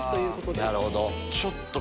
なるほど。